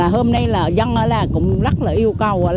hôm nay là dân cũng rất là yêu cầu